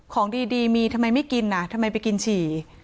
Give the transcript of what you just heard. ของดีมีทำไมไม่กินน่ะทำไมไปกินฉี่